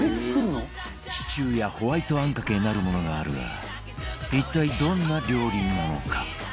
シチューやホワイト餡かけなるものがあるが一体どんな料理なのか？